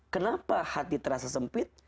kenapa hati terasa sempit